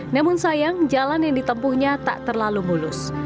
namun sayang jalan yang ditempuhnya tak terlalu mulus